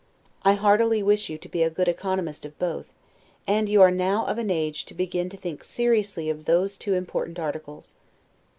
I heartily wish you to be a good economist of both: and you are now of an age to begin to think seriously of those two important articles.